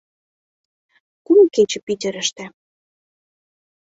Кум кече Питерыште.